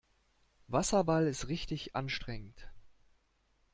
Wasserball ist richtig anstrengend.